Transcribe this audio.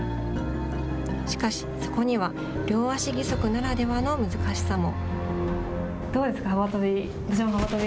しかし、そこには両足義足ならではの難しさも。